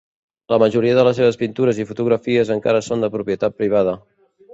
La majoria de les seves pintures i fotografies encara són de propietat privada.